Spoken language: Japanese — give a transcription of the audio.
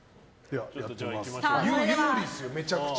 有利ですよ、めちゃくちゃ。